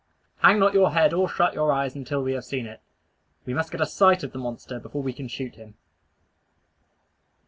Hang not your head or shut your eyes until we have seen it. We must get a sight at the monster before we can shoot him.